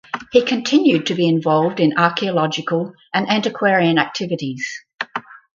He continued to be involved in archeological and antiquarian activities.